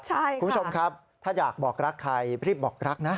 คุณผู้ชมครับถ้าอยากบอกรักใครรีบบอกรักนะ